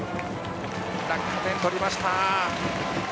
落下点、取りました。